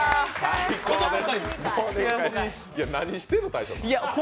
何してんの、大昇君。